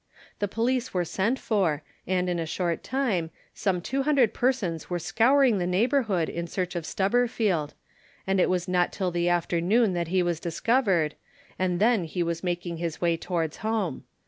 The police were sent for, and in a short time, some two hundred persons were scouring the neighbourhood in search of Stubberfield, and it was not till the afternoon he was discovered, and then he was making his way towards home.